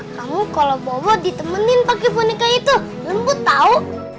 kamu kalau bobo ditemenin pakai boneka itu lembut tahu